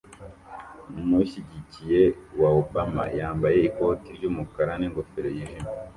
Umushyigikiye wa Obama yambaye ikoti ry'umukara n'ingofero yijimye